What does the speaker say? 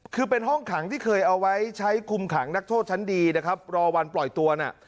คือเป็นห้องขังที่เคยเอาไว้ใช้คุมขังนักโทษชั้นดีนะครับรอวันปล่อยตัวน่ะ